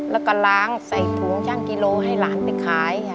แล้วก็ล้างใส่ถุงช่างกิโลให้หลานไปขายค่ะ